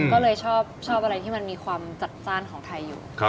ก็เลยชอบอะไรที่มันมีความจัดจ้านของไทยอยู่